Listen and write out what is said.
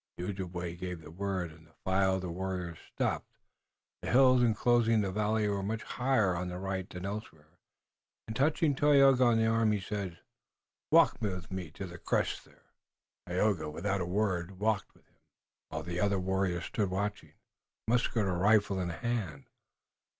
The Ojibway gave the word and the file of warriors stopped. The hills enclosing the valley were much higher on the right than elsewhere, and touching Tayoga on the arm, he said: "Walk with me to the crest there." Tayoga, without a word, walked with him, while the other warriors stood watching, musket or rifle in hand.